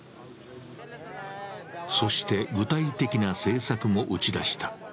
そして具体的な政策も打ち出した。